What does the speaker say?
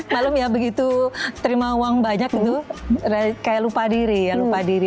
malam ya begitu terima uang banyak gitu kayak lupa diri ya lupa diri